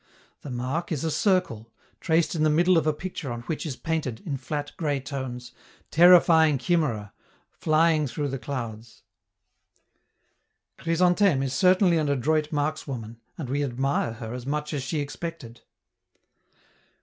The mark is a circle, traced in the middle of a picture on which is painted, in flat, gray tones, terrifying chimera flying through the clouds. Chrysantheme is certainly an adroit markswoman, and we admire her as much as she expected.